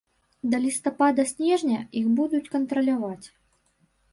Да лістапада-снежня іх будуць кантраляваць.